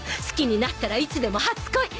好きになったらいつでも初恋